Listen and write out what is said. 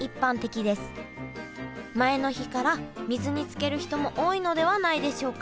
前の日から水につける人も多いのではないでしょうか。